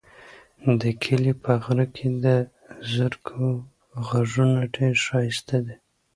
د کلي په غره کې د زرکو غږونه ډېر ښایسته دي.